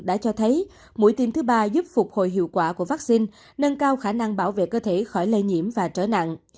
đã cho thấy mũi tiêm thứ ba giúp phục hồi hiệu quả của vaccine nâng cao khả năng bảo vệ cơ thể khỏi lây nhiễm và trở nặng